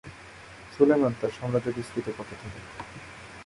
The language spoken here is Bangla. সুলেইমান তার সাম্রাজ্য বিস্তৃত করতে থাকে।